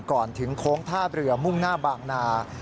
ก่อนถึงโค้งท่าเรือมุ่งหน้าบางนา